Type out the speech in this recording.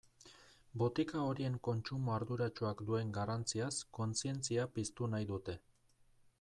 Botika horien kontsumo arduratsuak duen garrantziaz kontzientzia piztu nahi dute.